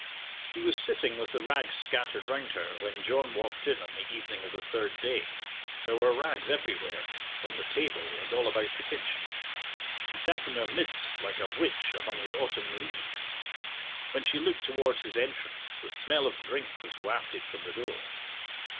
She was sitting with the rags scattered round her when John walked in on the evening of the third day. There were rags everywhere on the table, and all about the kitchen; she sat in their midst like a witch among the autumn leaves. When she looked towards his entrance the smell of drink was wafted from the door.